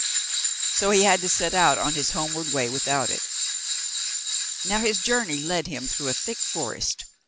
So he had to set out on his homeward way without it. Now his journey led him through a thick forest.